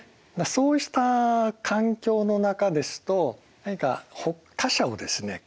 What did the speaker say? そうした環境の中ですと何か他者をですね